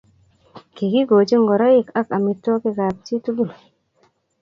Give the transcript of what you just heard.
kikikochi ngoroi ak amitwakik kap chit tugu